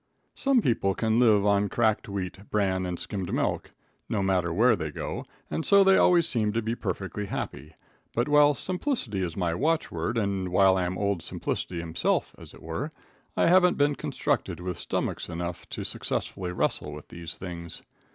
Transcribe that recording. Some people can live on cracked wheat, bran and skimmed milk, no matter where they go, and so they always seem to be perfectly happy; but, while simplicity is my watchword, and while I am Old Simplicity himself, as it were, I haven't been constructed with stomachs enough to successfully wrestle with these things.